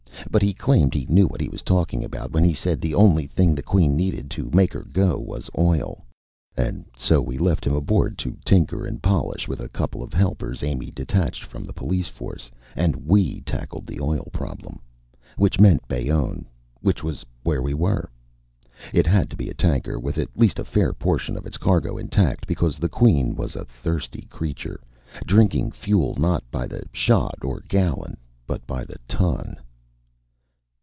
But he claimed he knew what he was talking about when he said the only thing the Queen needed to make 'er go was oil. And so we left him aboard to tinker and polish, with a couple of helpers Amy detached from the police force, and we tackled the oil problem. Which meant Bayonne. Which was where we were. It had to be a tanker with at least a fair portion of its cargo intact, because the Queen was a thirsty creature, drinking fuel not by the shot or gallon but by the ton.